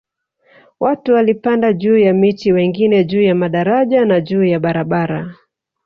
Watu walipanda juu ya miti wengine juu ya madaraja na juu ya barabara